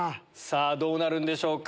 さぁどうなるんでしょうか？